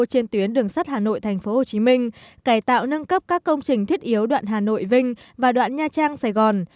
trên tuyến đường sắt hà nội tp hcm cải tạo nâng cấp các công trình thiết yếu đoạn hà nội vinh và đoạn nha trang sài gòn